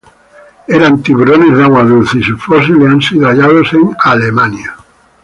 Eran tiburones de agua dulce y sus fósiles han sido hallados en Alemania.